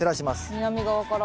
南側から。